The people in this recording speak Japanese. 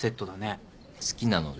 好きなので。